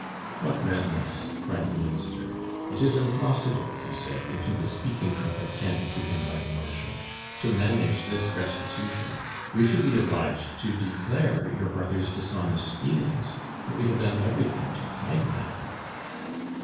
"What madness!" cried the Minister. "It is impossible," he said into the speaking trumpet handed to him by the Marshal, "to manage this restitution. We should be obliged to declare your brother's dishonest dealings, and we have done everything to hide them."